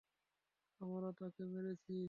আমরা তাকে মেরেছি।